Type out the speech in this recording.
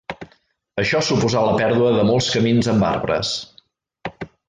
Això suposà la pèrdua de molts camins amb arbres.